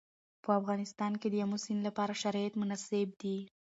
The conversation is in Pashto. په افغانستان کې د آمو سیند لپاره شرایط مناسب دي.